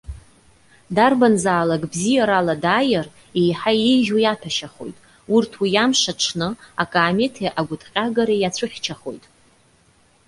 Дарбанзаалак, бзиарала дааир, еиҳа иеиӷьу иаҭәашьахоит, урҭ уи амш аҽны, акаамеҭи агәыҭҟьагареи иацәыхьчахоит.